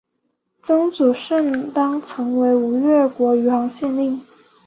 曾祖盛珰曾为吴越国余杭县令。